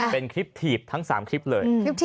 เป็นคลิปถีบทั้ง๓คลิปเลย